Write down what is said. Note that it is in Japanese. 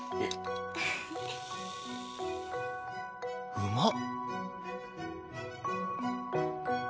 うまっ！